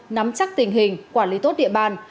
nắm chắc tình hình quản lý tốt địa bàn